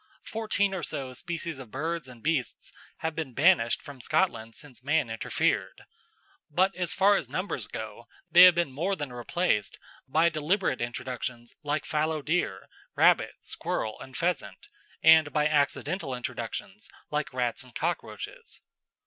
Fourteen or so species of birds and beasts have been banished from Scotland since man interfered, but as far as numbers go they have been more than replaced by deliberate introductions like fallow deer, rabbit, squirrel, and pheasant, and by accidental introductions like rats and cockroaches.